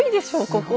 ここ。